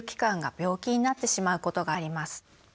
病気になってしまうことがあります。